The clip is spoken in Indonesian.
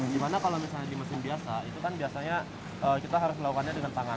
gimana kalau misalnya di mesin biasa itu kan biasanya kita harus melakukannya dengan tangan